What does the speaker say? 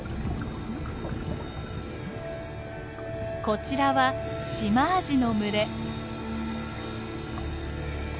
こちらはシマアジの群れ。